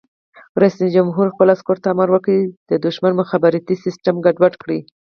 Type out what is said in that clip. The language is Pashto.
رئیس جمهور خپلو عسکرو ته امر وکړ؛ د دښمن مخابراتي سیسټم ګډوډ کړئ!